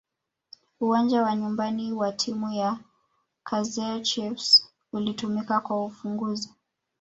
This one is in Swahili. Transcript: uwanja wa nyumbani wa timu ya kaizer chiefs ulitumika kwa ufunguzi